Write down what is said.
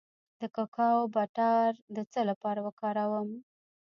د کوکو بټر د څه لپاره وکاروم؟